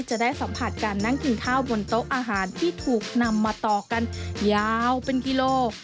จะได้สัมผัสการนั่งกินข้าวบนโต๊ะอาหารที่ถูกนำมาต่อกันยาวเป็นกิโล